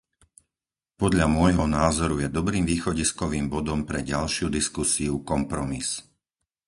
Podľa môjho názoru je dobrým východiskovým bodom pre ďalšiu diskusiu kompromis.